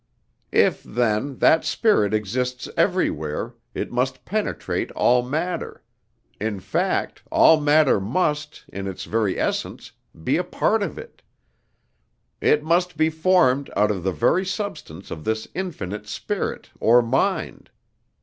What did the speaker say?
"If, then, that Spirit exists everywhere, it must penetrate all matter; in fact, all matter must, in its very essence, be a part of it; it must be formed out of the very substance of this infinite Spirit or Mind.